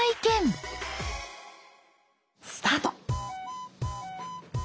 スタート。